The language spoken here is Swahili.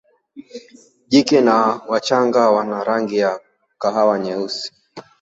Jike na wachanga wana rangi ya kahawa nyeusi.